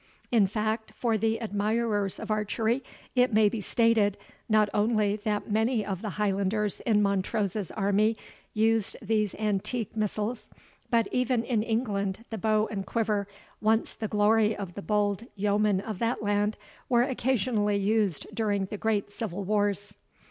[In fact, for the admirers of archery it may be stated, not only that many of the Highlanders in Montrose's army used these antique missiles, but even in England the bow and quiver, once the glory of the bold yeomen of that land, were occasionally used during the great civil wars.